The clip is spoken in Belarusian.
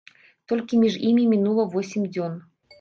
Толькі між імі мінула восем дзён.